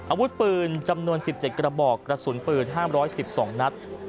อาวุธปืนจำนวนสิบเจ็ดกระบอกกระสุนปืนห้ามร้อยสิบสองนัด